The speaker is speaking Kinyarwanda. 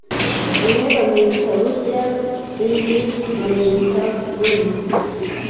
umwe bamwita Burya indi bamwita Buno